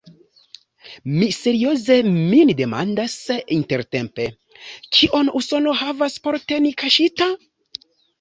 Mi serioze min demandas intertempe: kion Usono havas por teni kaŝita?